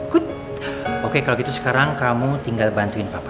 kut oke kalau gitu sekarang kamu tinggal bantuin papa